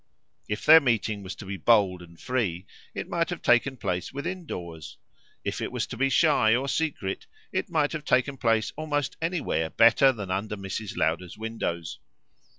If their meeting was to be bold and free it might have taken place within doors; if it was to be shy or secret it might have taken place almost anywhere better than under Mrs. Lowder's windows.